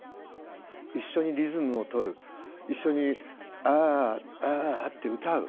一緒にリズムをとる一緒に「ああ」って歌う。